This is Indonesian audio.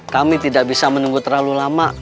kami tidak bisa menunggu terlalu lama